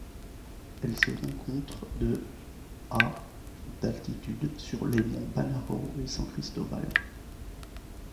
Elle se rencontre de à d'altitude sur les monts Banahaw et San Cristobal.